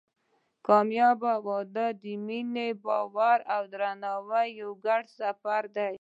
کامیابه واده د مینې، باور او درناوي یو ګډ سفر دی.